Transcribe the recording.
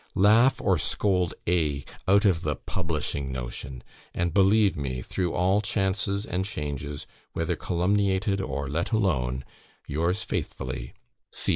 Laugh or scold A out of the publishing notion; and believe me, through all chances and changes, whether calumniated or let alone, Yours faithfully, C.